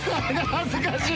恥ずかしい！